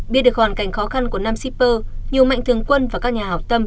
biết được hoàn cảnh khó khăn của năm shipper nhiều mạnh thường quân và các nhà hảo tâm